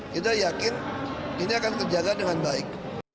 kita yakin ini akan terjaga dengan baik